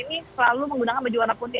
ini selalu menggunakan baju warna putih